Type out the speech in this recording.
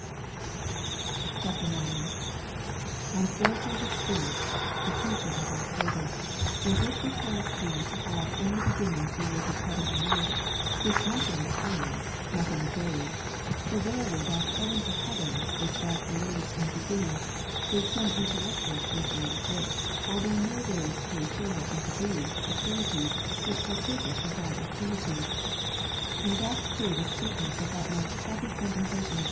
[IX.] 9. And therefore the Spirit, the Teacher of Thy servant '^, when It recounts Thee to have In the Beginning created heaven and earth, speaks nothing of times, nothing., of days. For verily that heaven of heavens which Thou createdst in the Beginning, is some intellectual creature, which, although no ways coeternal unto Thee, the Trinity, yet partaketh of Thy eternity, and doth through the sweet ' Constat, et non constat. S. Aug.